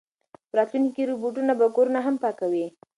په راتلونکي کې روبوټونه به کورونه هم پاکوي.